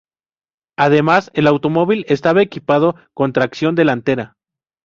Además, el automóvil estaba equipado con tracción delantera.